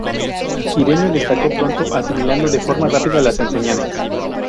Irene destacó pronto, asimilando de forma rápida las enseñanzas.